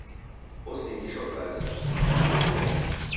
Osighishwa kazi.